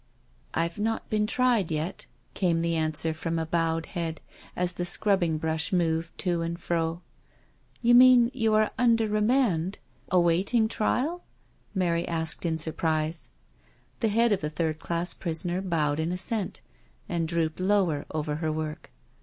'^ "I've not been tried yet," came the answer from a bowed head, as the scrubbing brush moved to and fro. " You mean you are under remand — awaiting trial?" Mary asked in surprise. The head of the third class prisoner bowed in adsent, and drooped lower over her work.